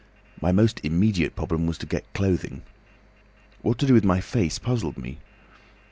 My most immediate problem was to get clothing. What to do with my face puzzled me.